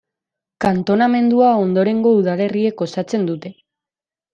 Kantonamendua ondorengo udalerriek osatzen dute.